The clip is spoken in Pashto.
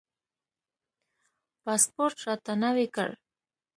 پاسپورټ راته نوی کړ.